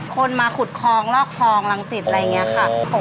คนมาขุดคลองลอกคลองรังสิตอะไรอย่างนี้ค่ะ